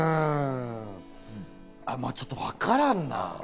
まぁ、ちょっとわからんな。